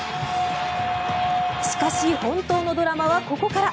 しかし、本当のドラマはここから。